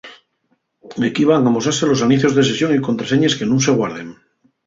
Equí van amosase los anicios de sesión y contraseñes que nun se guarden.